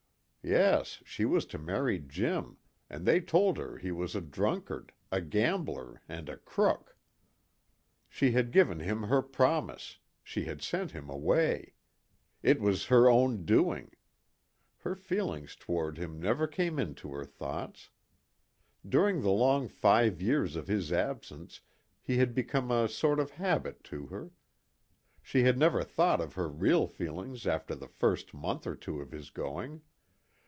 Yes, she was to marry Jim, and they told her he was a drunkard, a gambler, and a "crook." She had given him her promise; she had sent him away. It was her own doing. Her feelings toward him never came into her thoughts. During the long five years of his absence he had become a sort of habit to her. She had never thought of her real feelings after the first month or two of his going.